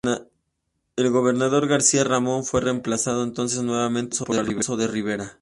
El gobernador García Ramón fue reemplazado entonces nuevamente por Alonso de Ribera.